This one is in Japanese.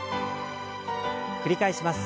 繰り返します。